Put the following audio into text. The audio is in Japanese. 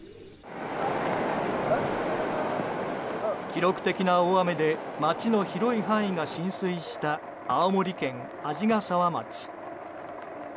記録的な大雨で街の広い範囲が浸水した青森県鰺ヶ沢町。